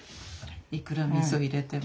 いくらみそ入れても。